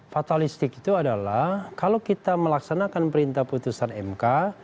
fatalistik itu adalah kalau kita melaksanakan perintah putusan mk